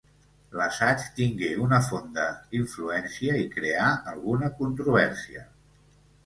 L'assaig tingué una fonda influència i creà alguna controvèrsia.